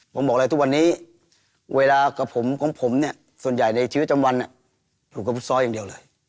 ผมบอกเลยทุกวันนี้เวลากับผมของผมเนี่ยส่วนใหญ่ในชีวิตจำวันอยู่กับฟุตซอลอย่างเดียวเลย